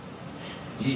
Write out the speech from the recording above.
いい？